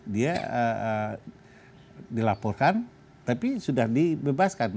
dia dilaporkan tapi sudah dibebaskan